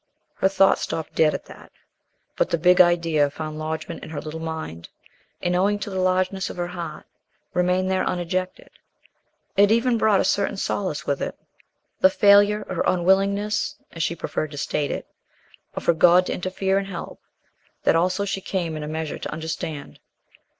Her thought stopped dead at that. But the big idea found lodgment in her little mind, and, owing to the largeness of her heart, remained there unejected. It even brought a certain solace with it. The failure or unwillingness, as she preferred to state it of her God to interfere and help, that also she came in a measure to understand.